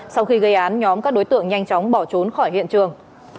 sau khi gây án nhóm các đối tượng nhanh chóng bỏ trốn khỏi hiện trường